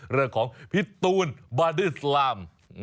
เลือกของพี่ตูนบรรดีซลัม